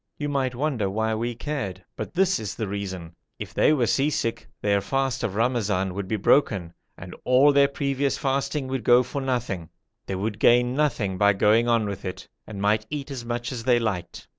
You might wonder why we cared, but this is the reason. If they were sea sick their fast of Ramazan would be broken, and all their previous fasting would go for nothing; they would gain nothing by going on with it, and might eat as much as they liked.